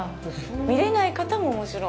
見れない方も、もちろん。